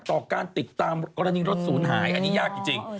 ต่อการติดตามกรณีรถศูนย์หายอันนี้ยากจริง